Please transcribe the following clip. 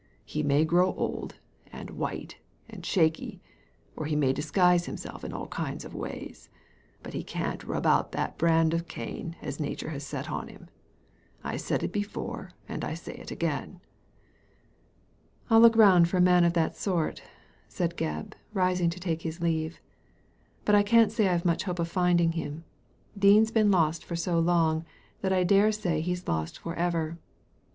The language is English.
He may grow old, and white, and shaky, or he may disguise himself in all kinds of ways, but he can't rub out that brand of Cain as Nature has set on him. I said it before, and I say it again." " I'll look round for a man of that sort," said Gebb, rising to take his leave, " but I can't say I've much hope of finding him. Dean's been lost for so long that I dare say he's lost for ever.